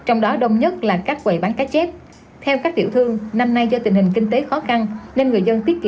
ông long cho biết sau hai năm dịch bệnh covid